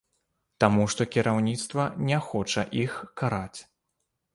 Таму што кіраўніцтва не хоча іх караць.